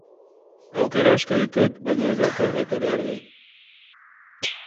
Aukera asko ditut, baina ez daukat batere argi.